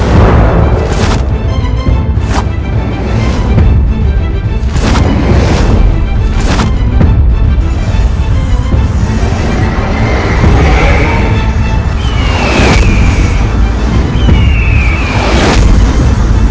kau cukup bernyali untuk menantangku